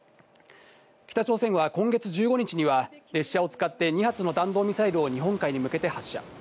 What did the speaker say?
北朝鮮は今月１５日には列車を使って２発の弾道ミサイルを日本海に向けて発射。